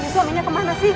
suaminya kemana sih